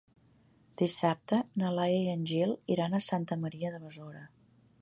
Dissabte na Laia i en Gil iran a Santa Maria de Besora.